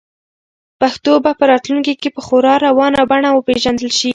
پښتو به په راتلونکي کې په خورا روانه بڼه وپیژندل شي.